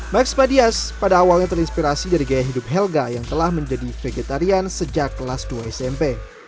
max madias pada awalnya terinspirasi dari gaya hidup helga yang telah menjadi vegetarian sejak kelas dua smp